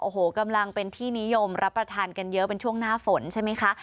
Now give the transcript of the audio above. โอ้โหกำลังเป็นที่นิยมรับประทานกันเยอะเป็นช่วงหน้าฝนใช่ไหมคะ